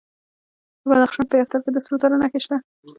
د بدخشان په یفتل کې د سرو زرو نښې شته.